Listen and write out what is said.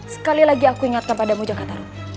sekali lagi aku ingatkan padamu jakarta